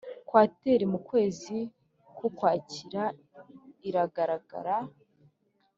kwateri mu kwezi k Ukwakira iragaragara